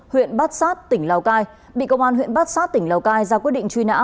huyện bát sát tỉnh lào cai bị công an huyện bát sát tỉnh lào cai ra quyết định truy nã